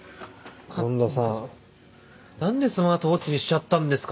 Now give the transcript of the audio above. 環田さん何でスマートウオッチにしちゃったんですか？